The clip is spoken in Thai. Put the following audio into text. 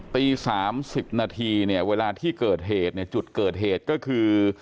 ตี๓๐นาทีเนี่ยเวลาที่เกิดเหตุเนี่ยจุดเกิดเหตุก็คือ